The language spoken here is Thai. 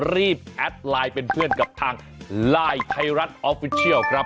แอดไลน์เป็นเพื่อนกับทางไลน์ไทยรัฐออฟฟิเชียลครับ